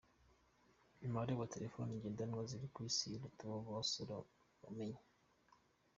Umubare wa Telefoni ngendanwa ziri ku isi uruta uw’uburoso bw’amenyo.